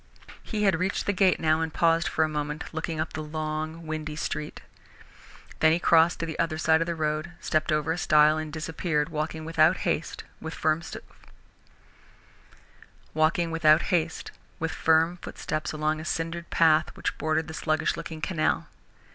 He had reached the gate now and paused for a moment, looking up the long, windy street. Then he crossed to the other side of the road, stepped over a stile and disappeared, walking without haste, with firm footsteps, along a cindered path which bordered the sluggish looking canal.